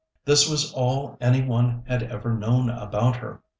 This was all any one had ever known about her.